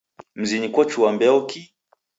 Mzinyi kochua mbeo kii